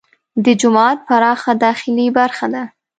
دې جومات پراخه داخلي برخه ده.